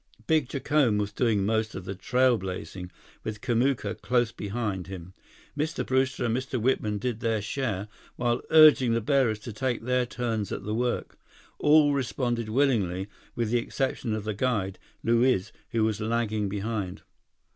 Big Jacome was doing most of the trail blazing, with Kamuka close behind him. Mr. Brewster and Mr. Whitman did their share, while urging the bearers to take their turns at the work. All responded willingly, with the exception of the guide, Luiz, who was lagging behind.